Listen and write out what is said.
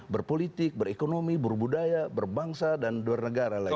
berpolitik berekonomi berbudaya berbangsa dan bernegara lagi